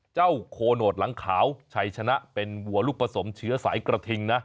โคโนตหลังขาวชัยชนะเป็นวัวลูกผสมเชื้อสายกระทิงนะ